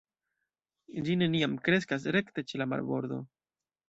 Ĝi neniam kreskas rekte ĉe la marbordo.